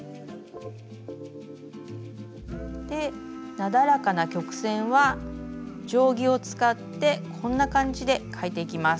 なだらかな曲線は定規を使ってこんな感じで描いていきます。